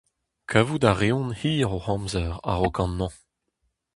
Kavout a reont hir o amzer a-raok an hañv.